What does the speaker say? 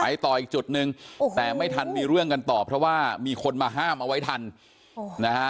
ต่ออีกจุดหนึ่งแต่ไม่ทันมีเรื่องกันต่อเพราะว่ามีคนมาห้ามเอาไว้ทันนะฮะ